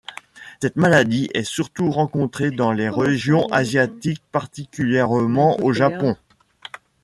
Cette maladie est surtout rencontrée dans les régions asiatiques particulièrement au Japon.